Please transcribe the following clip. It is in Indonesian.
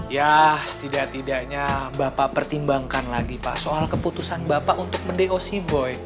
yah setidak tidaknya bapak pertimbangkan lagi pak soal keputusan bapak untuk mendeo si boy